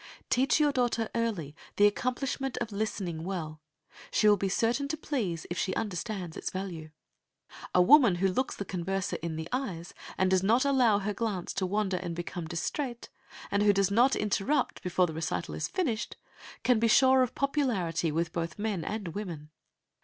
Teach your daughter early the accomplishment of listening well. She will be certain to please if she understands its value. A woman who looks the converser in the eyes, and does not allow her glance to wander and become distrait, and who does not interrupt before the recital is finished, can be sure of popularity with both men and women.